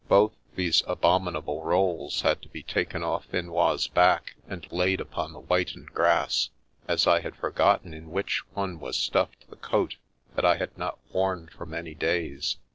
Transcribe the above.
Both these abominable rolls had to be taken off Finois' back and laid upon the whitened grass, as I had forgotten in which one was stuffed the coat that I had not worn for many days.